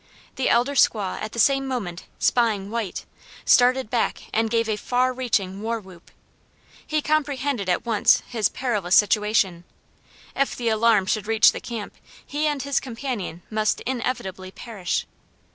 The elder squaw at the same moment spying White, started back and gave a far reaching war whoop. He comprehended at once his perilous situation. If the alarm should reach the camp, he and his companion must inevitably perish.